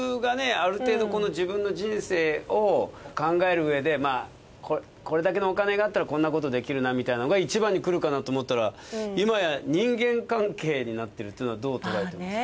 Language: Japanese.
ある程度この自分の人生を考えるうえでこれだけのお金があったらこんなことできるなみたいなのが１番にくるかなと思ったら今や人間関係になっているっていうのはどうとらえていますか？